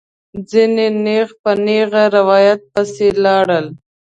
ځینې نېغ په نېغه روایت پسې لاړل.